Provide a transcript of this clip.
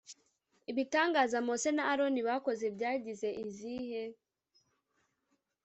Ibitangaza Mose na Aroni bakoze byagize izihe